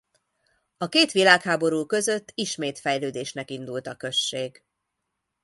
A két világháború között ismét fejlődésnek indult a község.